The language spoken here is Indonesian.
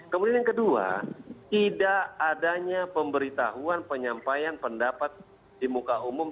kemudian yang kedua tidak adanya pemberitahuan penyampaian pendapat di muka umum